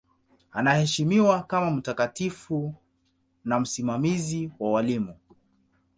Anaheshimiwa kama mtakatifu na msimamizi wa walimu.